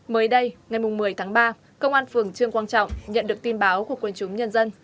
mới đây ngày một mươi tháng ba công an phường trương quang trọng nhận được tin báo của quân chúng nhân dân